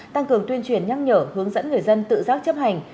tăng cường tuyên truyền nhắc nhở hướng dẫn người dân tự giác chấp hành